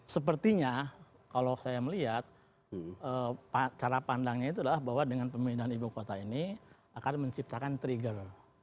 sepertinya kalau saya melihat cara pandangnya itu adalah bahwa dengan pemindahan ibu kota ini akan menciptakan trigger